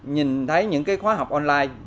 nhìn thấy những khóa học online